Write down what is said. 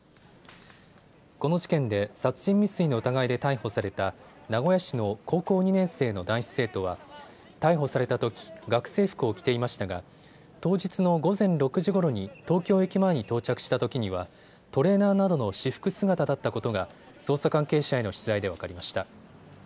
この事件で殺人未遂の疑いで逮捕された名古屋市の高校２年生の男子生徒は逮捕されたとき学生服を着ていましたが当日の午前６時ごろに東京駅前に到着したときにはトレーナーなどの私服姿だったことが捜査関係者への取材で分かりました。